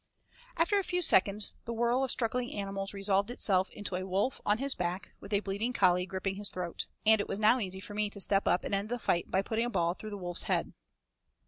After a few seconds the whirl of struggling animals resolved itself into a wolf, on his back, with a bleeding collie gripping his throat, and it was now easy for me to step up and end the fight by putting a ball through the wolf's head.